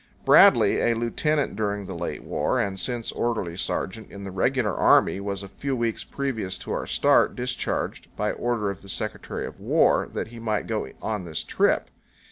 Bradley, a lieutenant during the late war, and since orderly sergeant FROM GREEN RIVER CITY TO FLAMING GORGE. in the regular army, was, a few weeks previous to our start, discharged, by order of the Secretary of War, that he might go on this trip.